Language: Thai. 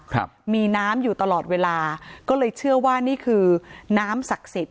ครับมีน้ำอยู่ตลอดเวลาก็เลยเชื่อว่านี่คือน้ำศักดิ์สิทธิ